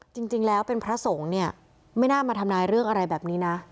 จริงแล้วเป็นพระสงฆ์เนี่ยไม่น่ามาทำนายเรื่องอะไรแบบนี้นะ